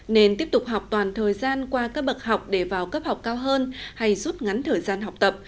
nên tiếp tục học toàn thời gian qua các bậc học để vào cấp học cao hơn hay rút ngắn thời gian học tập